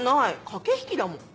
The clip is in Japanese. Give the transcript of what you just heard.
駆け引きだもん。